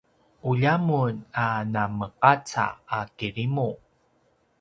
ulja mun a nameqaca a kirimu